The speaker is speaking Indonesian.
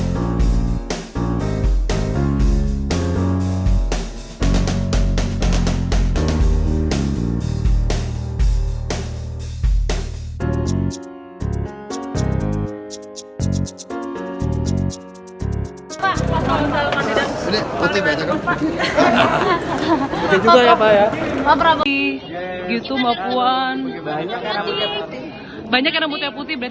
hidup bapak presiden